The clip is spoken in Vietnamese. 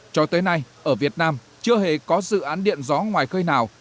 cho tới nay ở việt nam chưa hề có dự án điện gió ngoài khơi nào